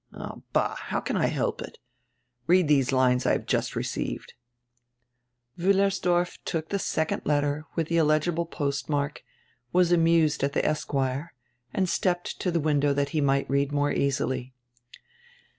"Oh, ball! How can I help it? Read these lines I have just received." Wiillersdorf took die second letter widi die illegible post mark, was amused at the "Esq.," and stepped to die window tiiat he might read more easily.